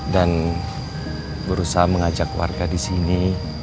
dan berusaha mengajak warga di sini